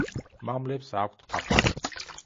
მამლებს აქვთ ფაფარი.